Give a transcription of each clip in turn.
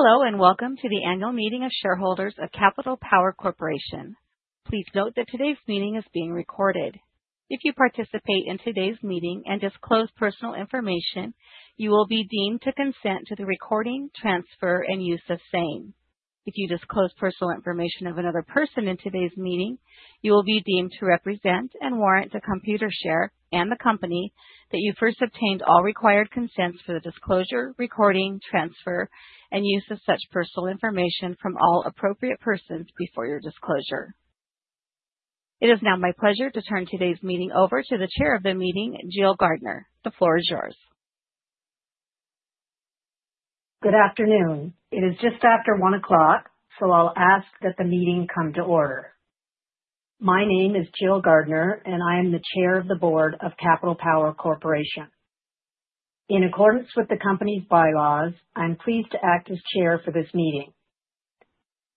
Hello, and welcome to the Annual Meeting of Shareholders of Capital Power Corporation. Please note that today's meeting is being recorded. If you participate in today's meeting and disclose personal information, you will be deemed to consent to the recording, transfer, and use of same. If you disclose personal information of another person in today's meeting, you will be deemed to represent and warrant to Computershare and the company that you first obtained all required consents for the disclosure, recording, transfer, and use of such personal information from all appropriate persons before your disclosure. It is now my pleasure to turn today's meeting over to the Chair of the meeting, Jill Gardiner. The floor is yours. Good afternoon. It is just after 1:00 P.M., so I'll ask that the meeting come to order. My name is Jill Gardiner, and I am the Chair of the Board of Capital Power Corporation. In accordance with the company's bylaws, I'm pleased to act as Chair for this meeting.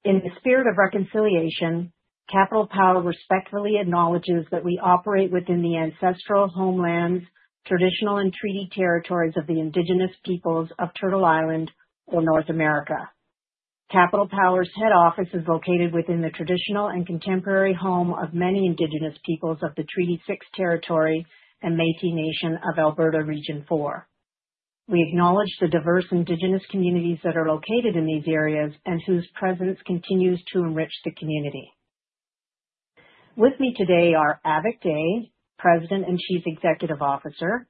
In the spirit of reconciliation, Capital Power respectfully acknowledges that we operate within the ancestral homelands, traditional and treaty territories of the Indigenous peoples of Turtle Island or North America. Capital Power's head office is located within the traditional and contemporary home of many Indigenous peoples of the Treaty 6 territory and Métis Nation of Alberta Region 4. We acknowledge the diverse Indigenous communities that are located in these areas and whose presence continues to enrich the community. With me today are Avik Dey, President and Chief Executive Officer,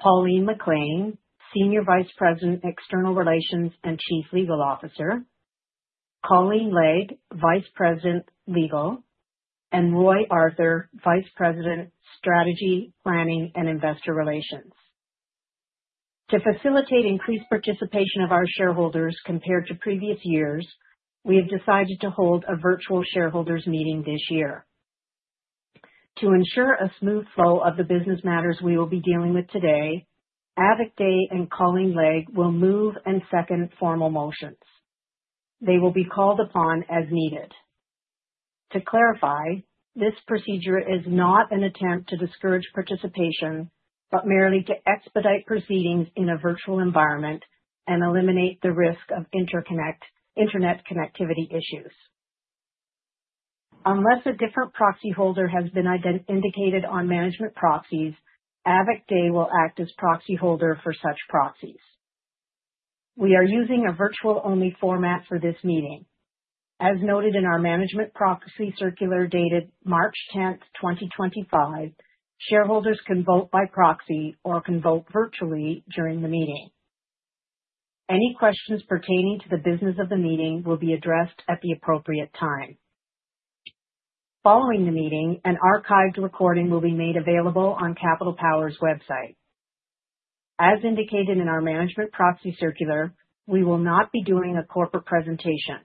Pauline McLean, Senior Vice President, External Relations and Chief Legal Officer, Colleen Legge, Vice President, Legal, and Roy Arthur, Vice President, Strategy, Planning, and Investor Relations. To facilitate increased participation of our shareholders compared to previous years, we have decided to hold a virtual shareholders meeting this year. To ensure a smooth flow of the business matters we will be dealing with today, Avik Dey and Colleen Legge will move and second formal motions. They will be called upon as needed. To clarify, this procedure is not an attempt to discourage participation, but merely to expedite proceedings in a virtual environment and eliminate the risk of internet connectivity issues. Unless a different proxy holder has been indicated on management proxies, Avik Dey will act as proxy holder for such proxies. We are using a virtual-only format for this meeting. As noted in our management proxy circular dated March 10th, 2025, shareholders can vote by proxy or can vote virtually during the meeting. Any questions pertaining to the business of the meeting will be addressed at the appropriate time. Following the meeting, an archived recording will be made available on Capital Power's website. As indicated in our management proxy circular, we will not be doing a corporate presentation.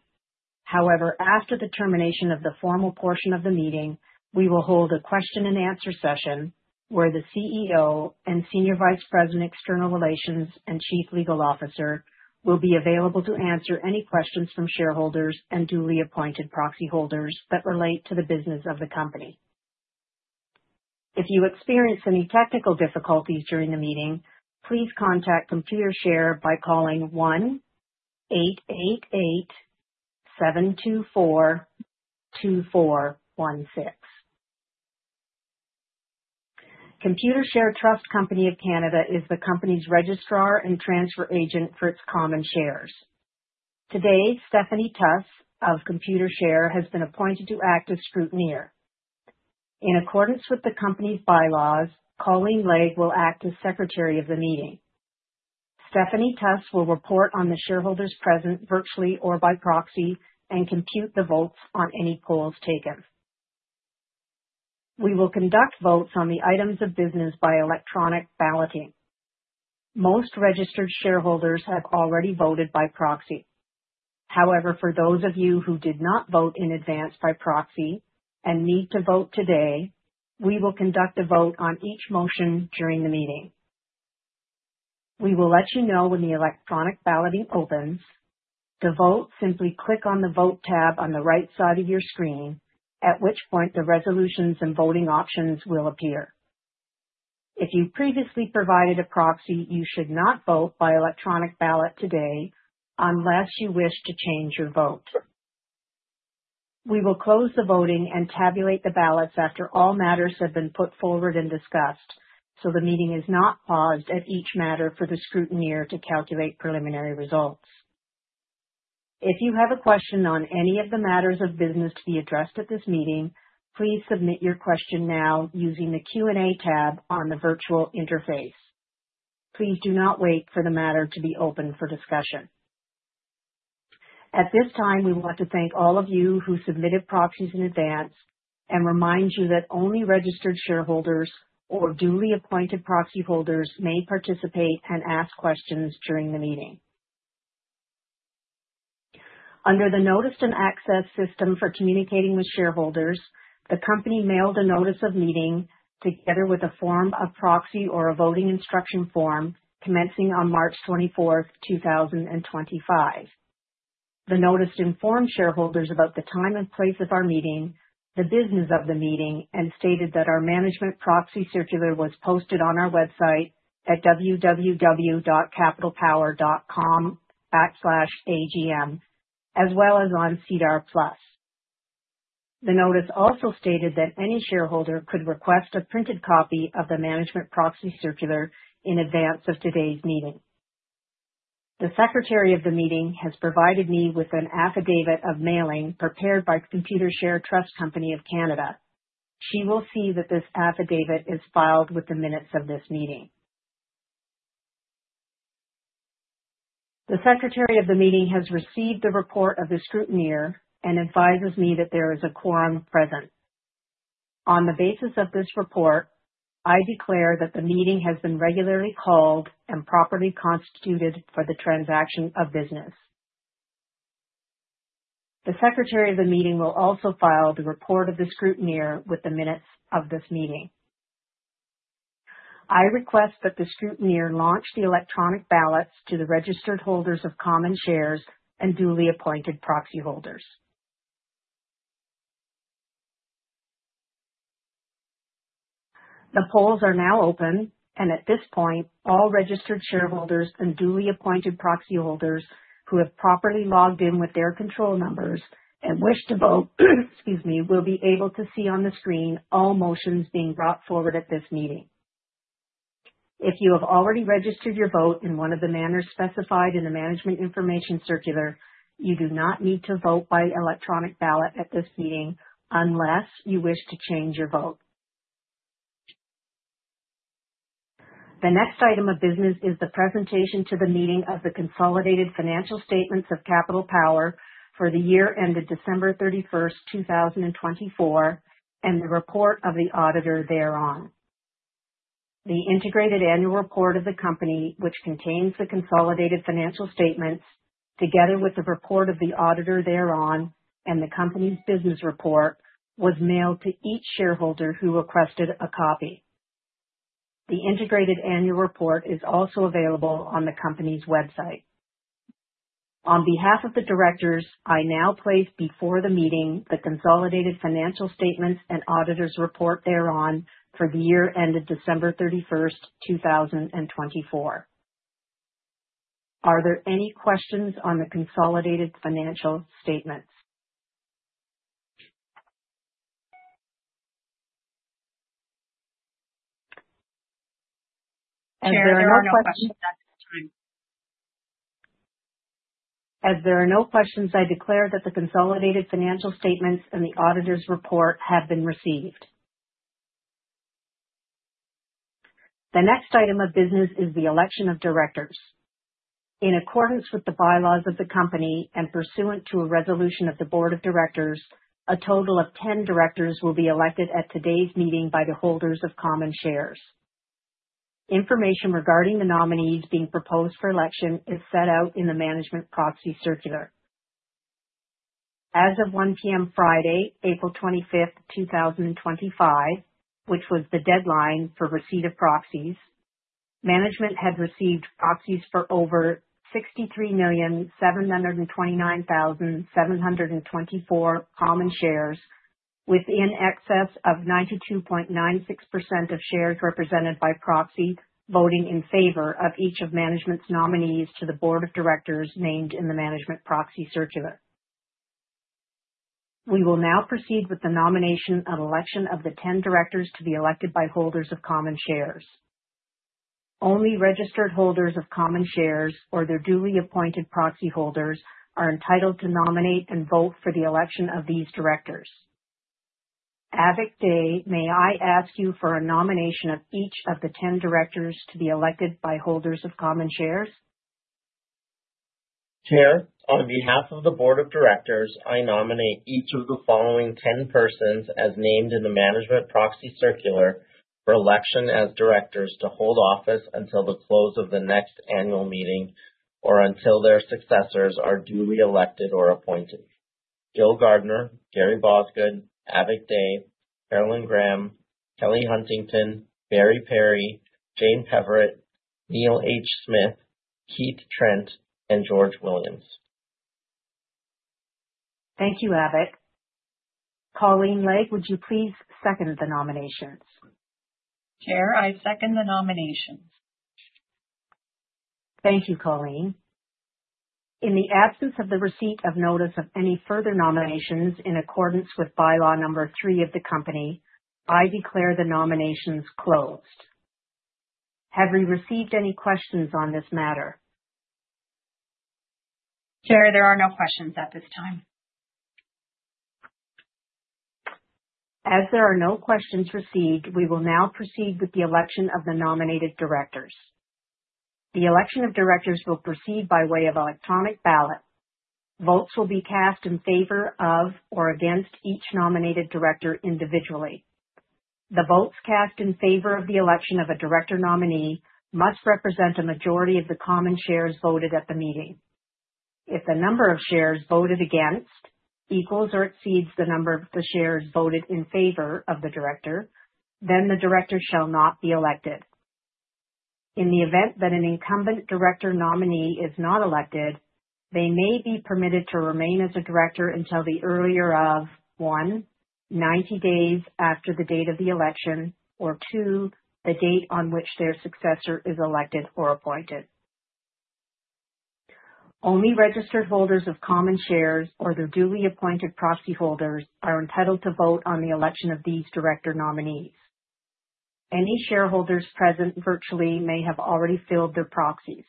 However, after the termination of the formal portion of the meeting, we will hold a question and answer session where the CEO and Senior Vice President, External Relations, and Chief Legal Officer will be available to answer any questions from shareholders and duly appointed proxy holders that relate to the business of the company. If you experience any technical difficulties during the meeting, please contact Computershare by calling 1-888-724-2416. Computershare Trust Company of Canada is the company's Registrar and Transfer Agent for its common shares. Today, Stephanie Tuss of Computershare has been appointed to act as Scrutineer. In accordance with the company's bylaws, Colleen Legge will act as Secretary of the meeting. Stephanie Tuss will report on the shareholders present virtually or by proxy and compute the votes on any polls taken. We will conduct votes on the items of business by electronic balloting. Most registered shareholders have already voted by proxy. However, for those of you who did not vote in advance by proxy and need to vote today, we will conduct a vote on each motion during the meeting. We will let you know when the electronic balloting opens. To vote, simply click on the Vote tab on the right side of your screen, at which point the resolutions and voting options will appear. If you previously provided a proxy, you should not vote by electronic ballot today unless you wish to change your vote. We will close the voting and tabulate the ballots after all matters have been put forward and discussed, so the meeting is not paused at each matter for the scrutineer to calculate preliminary results. If you have a question on any of the matters of business to be addressed at this meeting, please submit your question now using the Q&A tab on the virtual interface. Please do not wait for the matter to be open for discussion. At this time, we want to thank all of you who submitted proxies in advance and remind you that only registered shareholders or duly appointed proxy holders may participate and ask questions during the meeting. Under the notice-and-access system for communicating with shareholders, the Company mailed a Notice of Meeting together with a Form of Proxy or a Voting Instruction Form commencing on March 24th, 2025. The Notice informed shareholders about the time and place of our meeting, the business of the meeting, and stated that our Management Proxy Circular was posted on our website at www.capitalpower.com/agm, as well as on SEDAR+. The Notice also stated that any shareholder could request a printed copy of the Management Proxy Circular in advance of today's meeting. The Secretary of the meeting has provided me with an affidavit of mailing prepared by Computershare Trust Company of Canada. She will see that this affidavit is filed with the Minutes of this meeting. The Secretary of the meeting has received the report of the Scrutineer and advises me that there is a quorum present. On the basis of this report, I declare that the meeting has been regularly called and properly constituted for the transaction of business. The Secretary of the meeting will also file the report of the Scrutineer with the minutes of this meeting. I request that the Scrutineer launch the electronic ballots to the registered holders of common shares and duly appointed proxy holders. The polls are now open, and at this point, all registered shareholders and duly appointed proxy holders who have properly logged in with their control numbers and wish to vote will be able to see on the screen all motions being brought forward at this meeting. If you have already registered your vote in one of the manners specified in the Management Information Circular, you do not need to vote by electronic ballot at this meeting unless you wish to change your vote. The next item of business is the presentation to the meeting of the consolidated financial statements of Capital Power for the year ended December 31st, 2024, and the report of the auditor thereon. The integrated annual report of the company, which contains the consolidated financial statements together with the report of the auditor thereon and the company's business report, was mailed to each shareholder who requested a copy. The integrated annual report is also available on the company's website. On behalf of the directors, I now place before the meeting the consolidated financial statements and auditor's report thereon for the year ended December 31st, 2024. Are there any questions on the consolidated financial statements? Chair, there are no questions at this time. As there are no questions, I declare that the consolidated financial statements and the auditor's report have been received. The next item of business is the election of directors. In accordance with the bylaws of the company and pursuant to a resolution of the Board of Directors, a total of 10 directors will be elected at today's meeting by the holders of common shares. Information regarding the nominees being proposed for election is set out in the management proxy circular. As of 1:00 P.M. Friday, April 25th, 2025, which was the deadline for receipt of proxies, management had received proxies for over 63,729,724 common shares with in excess of 92.96% of shares represented by proxy voting in favor of each of management's nominees to the Board of Directors named in the management proxy circular. We will now proceed with the nomination and election of the 10 Directors to be elected by holders of common shares. Only registered holders of common shares or their duly appointed proxy holders are entitled to nominate and vote for the election of these Directors. Avik Dey, may I ask you for a nomination of each of the 10 Directors to be elected by holders of common shares? Chair, on behalf of the Board of Directors, I nominate each of the following 10 persons as named in the Management Proxy Circular for election as Directors to hold office until the close of the next Annual Meeting or until their successors are duly elected or appointed. Jill Gardiner, Gary Bosgoed, Avik Dey, Carolyn Graham, Kelly Huntington, Barry Perry, Jane Peverett, Neil H. Smith, Keith Trent, and George Williams. Thank you, Avik. Colleen Legge, would you please second the nominations? Chair, I second the nominations. Thank you, Colleen. In the absence of the receipt of notice of any further nominations, in accordance with Bylaw Number 3 of the company, I declare the nominations closed. Have we received any questions on this matter? Chair, there are no questions at this time. As there are no questions received, we will now proceed with the election of the nominated Directors. The election of Directors will proceed by way of electronic ballot. Votes will be cast in favor of or against each nominated Director individually. The votes cast in favor of the election of a Director nominee must represent a majority of the common shares voted at the meeting. If the number of shares voted against equals or exceeds the number of the shares voted in favor of the Director, then the Director shall not be elected. In the event that an incumbent Director nominee is not elected, they may be permitted to remain as a Director until the earlier of one, 90 days after the date of the election, or two, the date on which their successor is elected or appointed. Only registered holders of common shares or their duly appointed proxy holders are entitled to vote on the election of these Director nominees. Any shareholders present virtually may have already filed their proxies.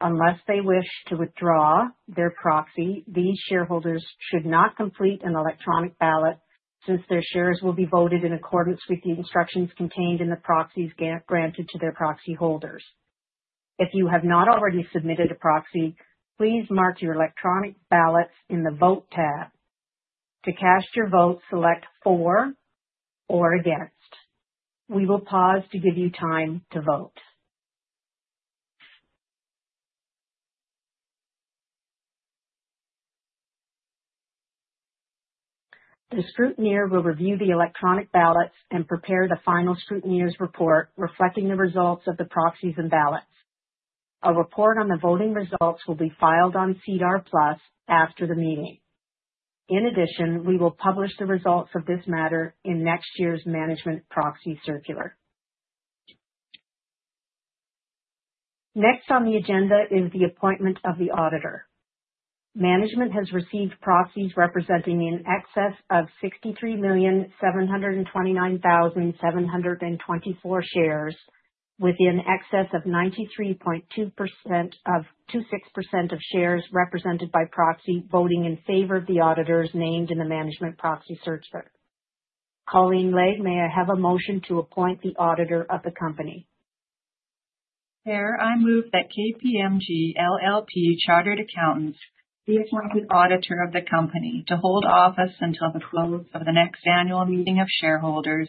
Unless they wish to withdraw their proxy, these shareholders should not complete an electronic ballot since their shares will be voted in accordance with the instructions contained in the proxies granted to their proxy holders. If you have not already submitted a proxy, please mark your electronic ballots in the Vote tab. To cast your vote, select For or Against. We will pause to give you time to vote. The scrutineer will review the electronic ballots and prepare the final scrutineer's report reflecting the results of the proxies and ballots. A report on the voting results will be filed on SEDAR+ after the meeting. In addition, we will publish the results of this matter in next year's Management Proxy Circular. Next on the agenda is the appointment of the auditor. Management has received proxies representing in excess of 63,729,724 shares with in excess of 93.26% of shares represented by proxy voting in favor of the auditors named in the Management Proxy Circular. Colleen Legge, may I have a motion to appoint the auditor of the company? Chair, I move that KPMG LLP Chartered Accountants be appointed auditor of the company to hold office until the close of the next annual meeting of shareholders,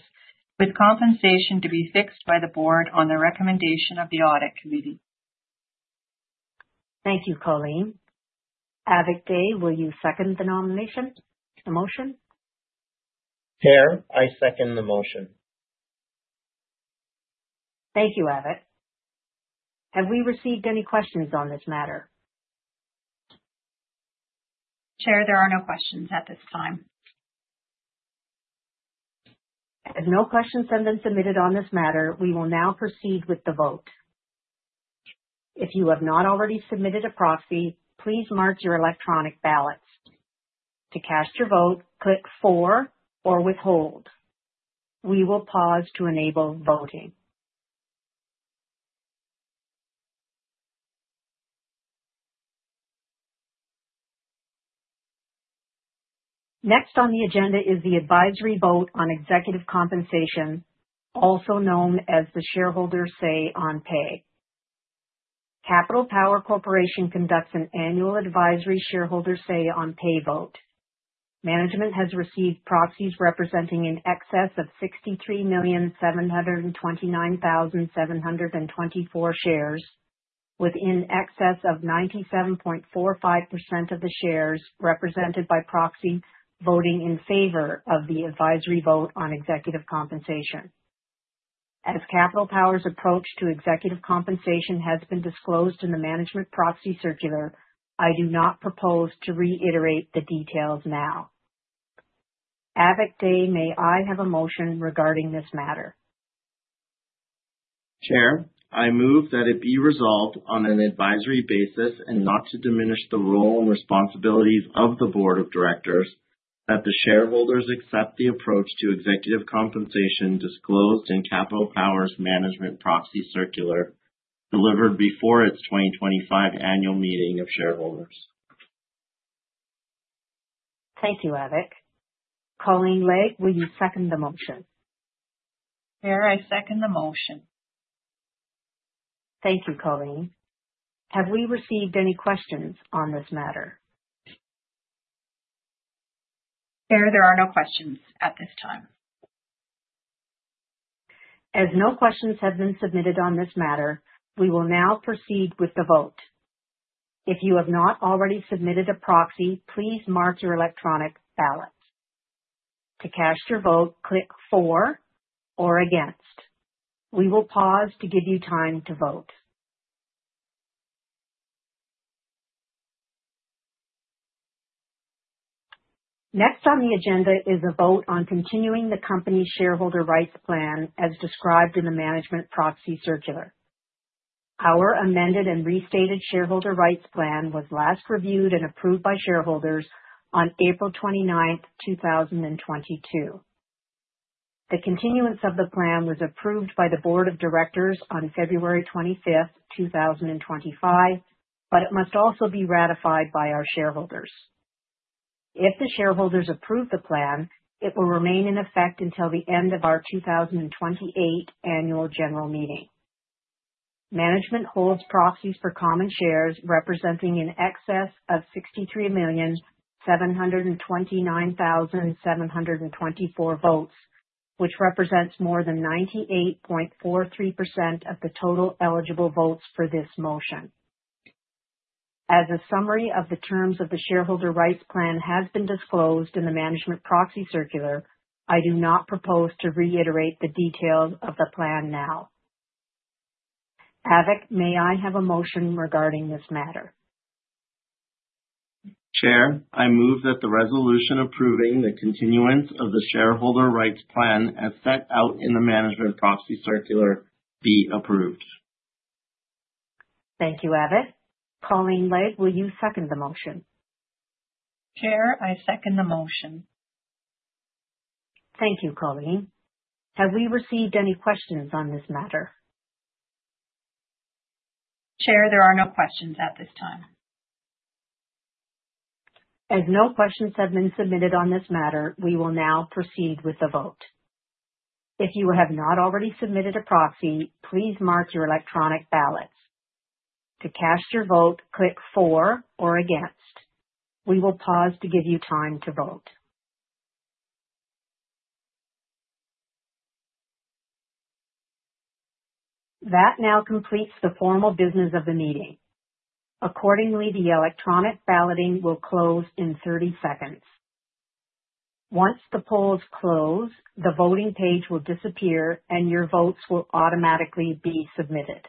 with compensation to be fixed by the Board on the recommendation of the Audit Committee. Thank you, Colleen. Avik Dey, will you second the motion? Chair, I second the motion. Thank you, Avik. Have we received any questions on this matter? Chair, there are no questions at this time. As no questions have been submitted on this matter, we will now proceed with the vote. If you have not already submitted a proxy, please mark your electronic ballot. To cast your vote, click For or Withhold. We will pause to enable voting. Next on the agenda is the advisory vote on executive compensation, also known as the Shareholder Say on Pay. Capital Power Corporation conducts an annual advisory Shareholder Say on Pay vote. Management has received proxies representing in excess of 63,729,724 shares with in excess of 97.45% of the shares represented by proxy voting in favor of the advisory vote on executive compensation. As Capital Power's approach to executive compensation has been disclosed in the Management Proxy Circular, I do not propose to reiterate the details now. Avik Dey, may I have a motion regarding this matter? Chair, I move that it be resolved on an advisory basis and not to diminish the role and responsibilities of the Board of Directors that the shareholders accept the approach to executive compensation disclosed in Capital Power's Management Proxy Circular, delivered before its 2025 Annual Meeting of Shareholders. Thank you, Avik. Colleen Legge, will you second the motion? Chair, I second the motion. Thank you, Colleen. Have we received any questions on this matter? Chair, there are no questions at this time. As no questions have been submitted on this matter, we will now proceed with the vote. If you have not already submitted a proxy, please mark your electronic ballot. To cast your vote, click For or Against. We will pause to give you time to vote. Next on the agenda is a vote on continuing the company's Shareholder Rights Plan as described in the Management Proxy Circular. Our Amended and Restated Shareholder Rights Plan was last reviewed and approved by shareholders on April 29th, 2022. The continuance of the plan was approved by the Board of Directors on February 25th, 2025, but it must also be ratified by our shareholders. If the shareholders approve the plan, it will remain in effect until the end of our 2028 Annual General Meeting. Management holds proxies for common shares representing in excess of 63,729,724 votes, which represents more than 98.43% of the total eligible votes for this motion. As a summary of the terms of the Shareholder Rights Plan has been disclosed in the Management Proxy Circular, I do not propose to reiterate the details of the plan now. Avik, may I have a motion regarding this matter? Chair, I move that the resolution approving the continuance of the Shareholder Rights Plan, as set out in the Management Proxy Circular, be approved. Thank you, Avik. Colleen Legge, will you second the motion? Chair, I second the motion. Thank you, Colleen. Have we received any questions on this matter? Chair, there are no questions at this time. As no questions have been submitted on this matter, we will now proceed with the vote. If you have not already submitted a proxy, please mark your electronic ballot. To cast your vote, click for or against. We will pause to give you time to vote. That now completes the formal business of the meeting. Accordingly, the electronic balloting will close in 30 seconds. Once the polls close, the voting page will disappear and your votes will automatically be submitted.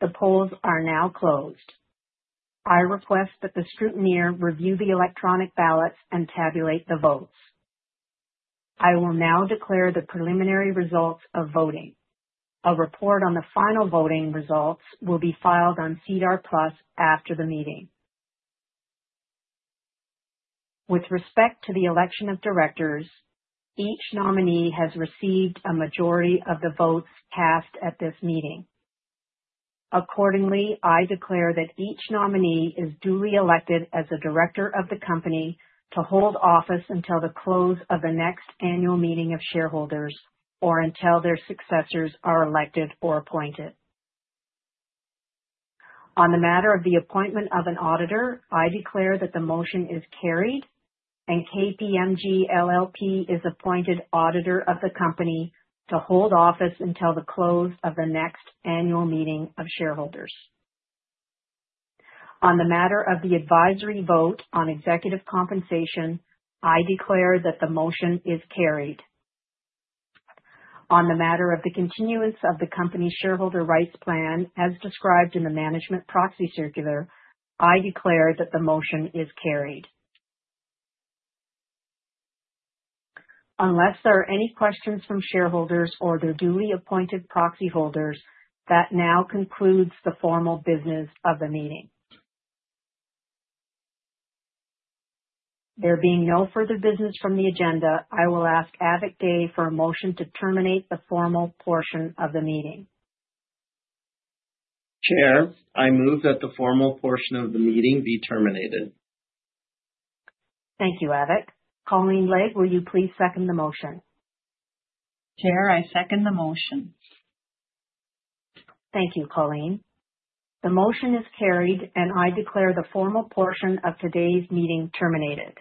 The polls are now closed. I request that the scrutineer review the electronic ballots and tabulate the votes. I will now declare the preliminary results of voting. A report on the final voting results will be filed on SEDAR+ after the meeting. With respect to the election of directors, each nominee has received a majority of the votes cast at this meeting. Accordingly, I declare that each nominee is duly elected as a Director of the Company to hold office until the close of the next Annual Meeting of Shareholders, or until their successors are elected or appointed. On the matter of the appointment of an Auditor, I declare that the motion is carried, and KPMG LLP is appointed Auditor of the Company to hold office until the close of the next Annual Meeting of Shareholders. On the matter of the advisory vote on Executive Compensation, I declare that the motion is carried. On the matter of the continuance of the Company's Shareholder Rights Plan, as described in the Management Proxy Circular, I declare that the motion is carried. Unless there are any questions from shareholders or their duly appointed proxy holders, that now concludes the formal business of the Meeting. There being no further business from the agenda, I will ask Avik Dey for a motion to terminate the formal portion of the meeting. Chair, I move that the formal portion of the meeting be terminated. Thank you, Avik. Colleen Legge, will you please second the motion? Chair, I second the motion. Thank you, Colleen. The motion is carried, and I declare the formal portion of today's meeting terminated.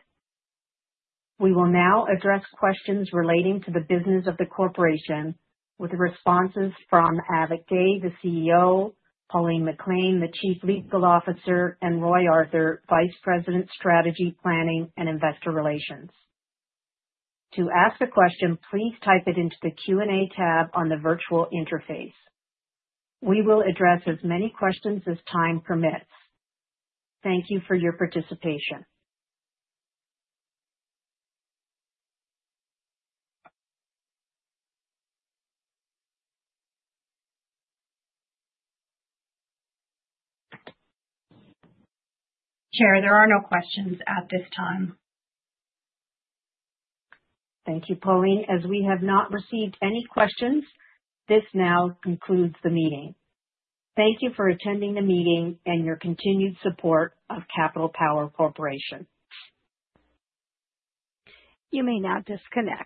We will now address questions relating to the business of the corporation, with responses from Avik Dey, the CEO, Pauline McLean, the Chief Legal Officer, and Roy Arthur, Vice President, Strategy, Planning, and Investor Relations. To ask a question, please type it into the Q&A tab on the virtual interface. We will address as many questions as time permits. Thank you for your participation. Chair, there are no questions at this time. Thank you, Pauline. As we have not received any questions, this now concludes the meeting. Thank you for attending the meeting and your continued support of Capital Power Corporation. You may now disconnect.